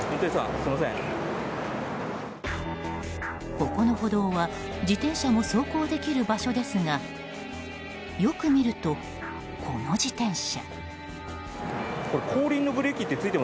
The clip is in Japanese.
ここの歩道は自転車も走行できる場所ですがよく見ると、この自転車。